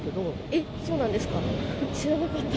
えっ、そうなんですか。